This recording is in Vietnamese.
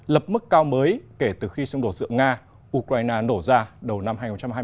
lập mức cao mới kể từ khi xung đột giữa nga ukraine nổ ra đầu năm hai nghìn hai mươi